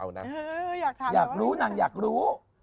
อยากรู้นางอยากรู้